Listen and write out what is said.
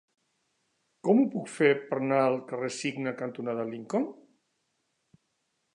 Com ho puc fer per anar al carrer Cigne cantonada Lincoln?